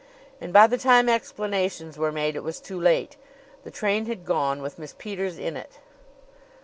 And by the time explanations were made it was too late. The train had gone, with Miss Peters in it."